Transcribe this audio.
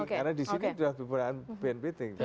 karena di sini sudah berbunyi